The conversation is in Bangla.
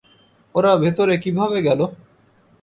ওরা ভেতরে কীভাবে গেলো?